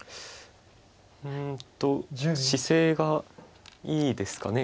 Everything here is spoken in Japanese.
うんと姿勢がいいですかね。